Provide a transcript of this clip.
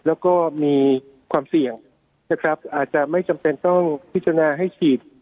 แล้วก็มีความเสี่ยงนะครับอาจจะไม่จำเป็นต้องพิจารณาให้ฉีด